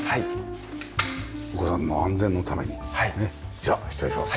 じゃあ失礼します。